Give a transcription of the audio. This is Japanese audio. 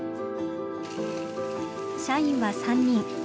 社員は３人。